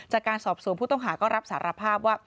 จากการสอบสวนผู้ต้องหาก็รับสารภาพว่า